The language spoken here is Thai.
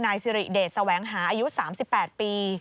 นายสิริเดชแสวงหาอายุ๓๘ปี